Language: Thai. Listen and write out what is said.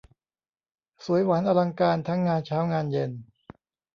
สวยหวานอลังการ ทั้งงานเช้างานเย็น